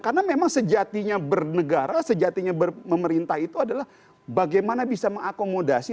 karena memang sejatinya bernegara sejatinya pemerintah itu adalah bagaimana bisa mengakomodasi